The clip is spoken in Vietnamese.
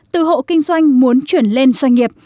từ hộ kinh doanh muốn chuyển lên doanh nghiệp